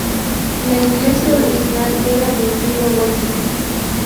La iglesia original era de estilo gótico.